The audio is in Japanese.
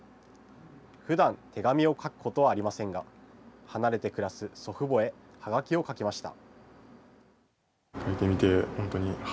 ふだん、手紙を書くことはありませんが、離れて暮らす祖父母へ、はがきを書きました。